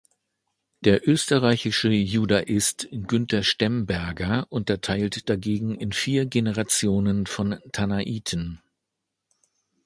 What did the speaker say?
Der österreichische Judaist Günter Stemberger unterteilt dagegen in vier Generationen von Tannaiten.